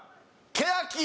ケヤキ。